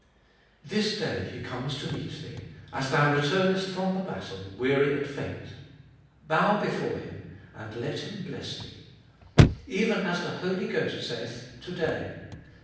3. This day He comes to meet thee, as thou returnest from the battle weary and faint. Bow before Him, and let Him bless thee ! "Even as the Holy Ghost saith, To day.